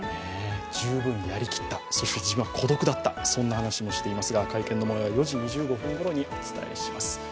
十分やりきった、そして自分は孤独だった、そんな話もしていますが、会見のもようは４時２６分ごろにお伝えします